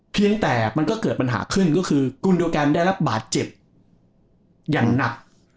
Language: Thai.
เพียงแต่มันก็เกิดปัญหาขึ้นก็คือกุลเดียวกันได้รับบาดเจ็บอย่างหนัก